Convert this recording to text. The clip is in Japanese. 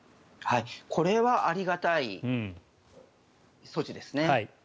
これはありがたい措置ですね。